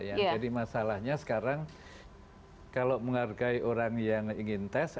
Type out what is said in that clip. jadi masalahnya sekarang kalau menghargai orang yang ingin tes